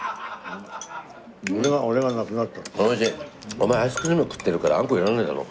お前アイスクリーム食ってるからあんこいらないだろ。